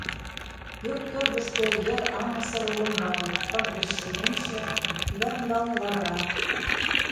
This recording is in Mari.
Пӧрт кӧргыштӧ йыр аҥысыр олымбал, пырдыж шемемше, кӱвар ӱмбалне лавыра...